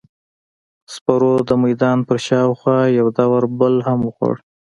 سپرو د میدان پر شاوخوا یو دور بل هم وخوړ.